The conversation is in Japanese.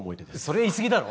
それいいすぎだろ！